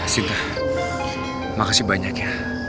sinta makasih banyak ya